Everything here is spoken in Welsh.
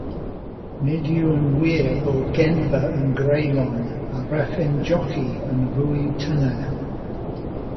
Nid yw'n wir bod genfa yn greulon a rheffyn joci yn fwy tyner.